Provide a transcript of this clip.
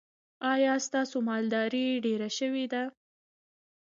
ایا ستاسو مالداري ډیره شوې ده؟